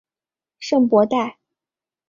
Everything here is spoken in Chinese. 圣博代。